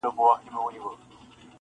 o یار په مینه کي هم خوی د پښتون غواړم,